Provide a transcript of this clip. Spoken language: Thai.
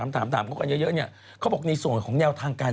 เค้าบอกว่าในส่วนของแนวทางการ